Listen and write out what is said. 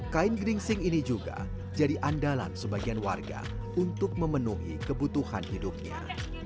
kain geringsing ini juga jadi andalan sebagian warga untuk memenuhi kebutuhan hidupnya